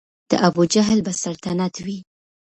د ابوجهل به سلطنت وي